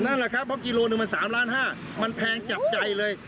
นั่นแหละครับเพราะกิโลหนึ่งมัน๓ล้าน๕มันแพงจับใจเลย